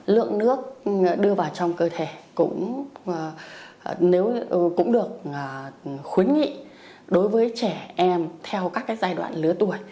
lượng nước đưa vào trong cơ thể cũng được khuyến nghị đối với trẻ em theo các giai đoạn lứa tuổi